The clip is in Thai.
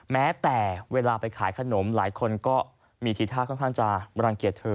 แม้แต่เวลาไปขายขนมหลายคนก็มีฐิษฐาขนาดจะบรรเกียจเธอ